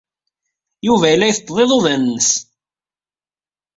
Yuba yella yetteṭṭeḍ iḍudan-nnes.